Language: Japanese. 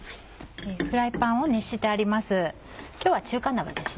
フライパンを熱してあります